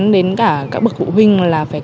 đến cả các bậc phụ huynh là phải